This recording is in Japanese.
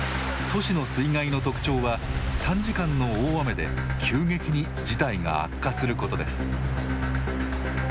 都市の水害の特徴は短時間の大雨で急激に事態が悪化することです。